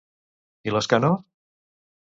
I les que no?